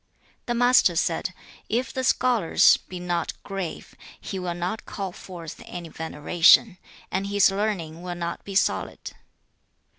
The Master said, 'If the scholar be not grave, he will not call forth any veneration, and his learning will not be solid.